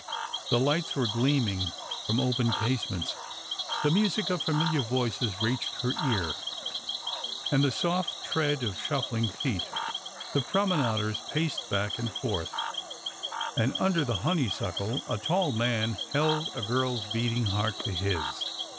The lights were gleaming from open casements, the music of familiar voices reached her ear, and the soft tread of shuffling feet ; the promenaders paced back and forth ; and under the honeysuckle a tall man held a girl's beating heart to his.